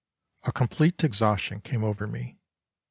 A complete exhaustion came over me.